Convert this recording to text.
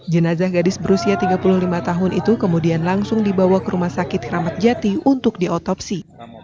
jenazah gadis berusia tiga puluh lima tahun itu kemudian langsung dibawa ke rumah sakit keramat jati untuk diotopsi